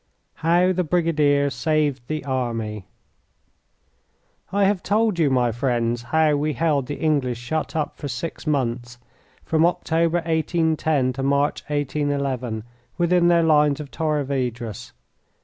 How the Brigadier Saved the Army I have told you, my friends, how we held the English shut up for six months, from October, 1810, to March, 1811, within their lines of Torres Vedras.